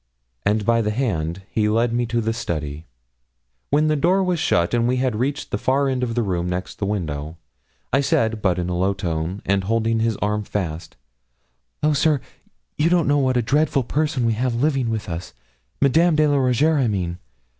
And by the hand he led me to the study. When the door was shut, and we had reached the far end of the room next the window, I said, but in a low tone, and holding his arm fast 'Oh, sir, you don't know what a dreadful person we have living with us Madame de la Rougierre, I mean.